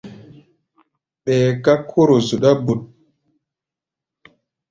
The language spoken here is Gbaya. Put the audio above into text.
Ɓɛɛ ká kóro zuɗa bút.